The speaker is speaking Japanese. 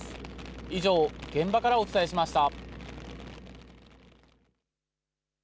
以上、現場からお伝えしました。